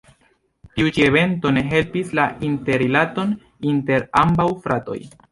Tiu ĉi evento ne helpis la interrilaton inter ambaŭ fratoj.